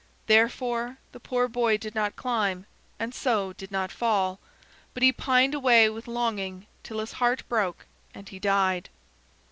Therefore the poor boy did not climb, and so did not fall; but he pined away with longing till his heart broke and he died."